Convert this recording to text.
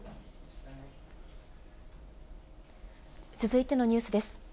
続いてのニュースです。